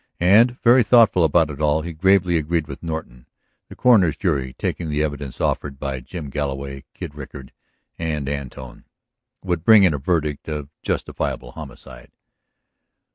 And, very thoughtful about it all, he gravely agreed with Norton; the coroner's jury, taking the evidence offered by Jim Galloway, Kid Rickard, and Antone, would bring in a verdict of justifiable homicide.